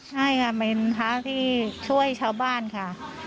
ใช่ค่ะเป็นพระที่ช่วยชาวบ้านค่ะ